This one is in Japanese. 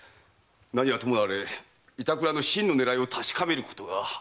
何はともあれ板倉の真の狙いを確かめることが肝要かと。